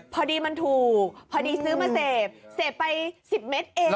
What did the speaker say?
พอดีมันถูกพอดีซื้อมาเสพเสพไป๑๐เมตรเอง